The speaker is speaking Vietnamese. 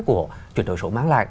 của chuyển đổi số mang lại